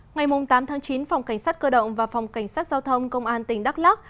ngày tám tháng chín phòng cảnh sát cơ động và phòng cảnh sát giao thông công an tỉnh đắk lắc